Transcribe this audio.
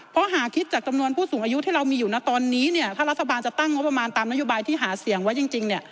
เพราะหากคิดจากจำนวนผู้สูงอายุที่เรามีอยู่นะตอนนี้เนี่ยถ้ารัฐบาลจะตั้งงบประมาณตามนโยบายที่หาเสียงไว้จริงเนี่ย